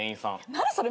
何それ？